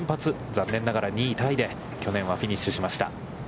残念ながら２位タイで去年はフィニッシュしました。